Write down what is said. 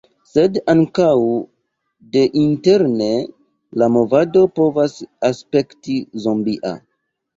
Sed ankaŭ deinterne la movado povas aspekti zombia.